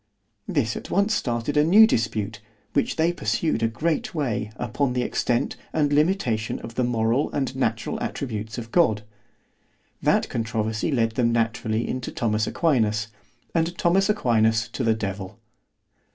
This at once started a new dispute, which they pursued a great way, upon the extent and limitation of the moral and natural attributes of God—That controversy led them naturally into Thomas Aquinas, and Thomas Aquinas to the devil.